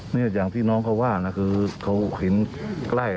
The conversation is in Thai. เนี่ยอย่างที่น้องเขาว่านะคือเขาเห็นใกล้